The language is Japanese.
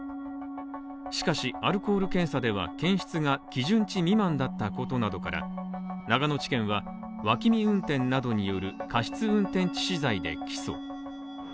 しかし、アルコール検査では検出が基準値未満だったことなどから長野地検は脇見運転などによる過失運転致死罪で起訴。